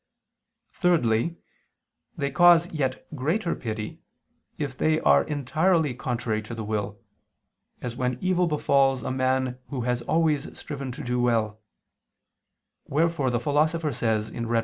Thirdly, they cause yet greater pity, if they are entirely contrary to the will, as when evil befalls a man who has always striven to do well: wherefore the Philosopher says (Rhet.